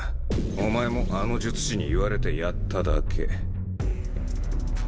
お前もあの術師に言われてやっただけ。